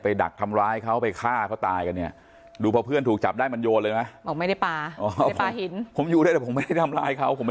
ดักทำร้ายเขาไปฆ่าเขาตายกันเนี่ยดูพอเพื่อนถูกจับได้มันโยนเลยไหม